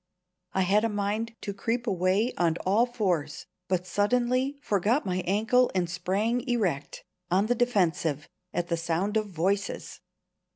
I had a mind to creep away on all fours, but suddenly forgot my ankle and sprang erect, on the defensive, at the sound of voices.